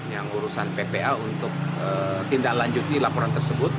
yang urusan ppa untuk tindak lanjuti laporan tersebut